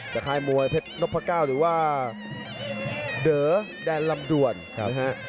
จะคล้ายมวยเพชรนพก้าวหรือว่าเดอร์แดนลำด่วนครับ